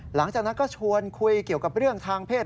หลังจากนั้นก็ชวนคุยเกี่ยวกับเรื่องทางเพศ